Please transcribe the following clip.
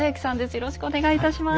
よろしくお願いします。